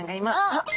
あっ！